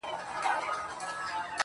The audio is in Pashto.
پر زود رنجۍ باندي مي داغ د دوزخونو وهم.